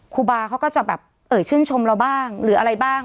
ครูบาเขาก็จะแบบเอ่ยชื่นชมเราบ้างหรืออะไรบ้าง